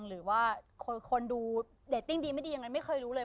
หรือว่าคนดูเรตติ้งดีไม่ดียังไงไม่เคยรู้เลย